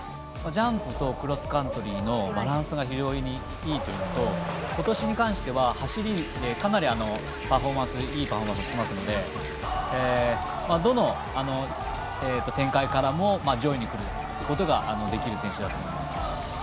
ジャンプとクロスカントリーのバランスがいいというのとことしに関しては走りかなりいいパフォーマンスしてますのでどの展開からも上位にくることができる選手だと思います。